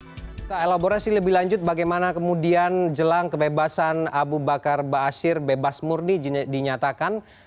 kita elaborasi lebih lanjut bagaimana kemudian jelang kebebasan abu bakar basir bebas murni dinyatakan